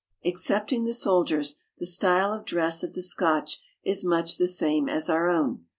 Excepting the soldiers, the style of dress of the Scotch is much the same as our own.